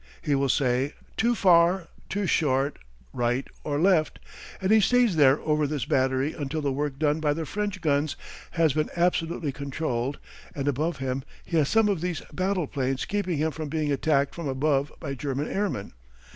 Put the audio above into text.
He will say: "Too far," "Too short," "Right," or "Left," and he stays there over this battery until the work done by the French guns has been absolutely controlled, and above him he has some of these battle planes keeping him from being attacked from above by German airmen.